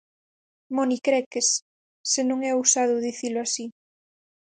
"Monicreques", se non é ousado dicilo así.